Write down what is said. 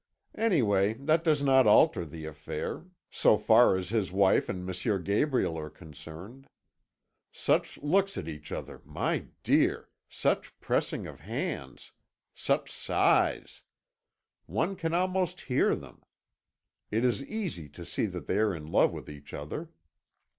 Anyway, that does not alter the affair, so far as his wife and M. Gabriel are concerned. Such looks at each other, my dear! such pressing of hands! such sighs! One can almost hear them. It is easy to see they are in love with each other.'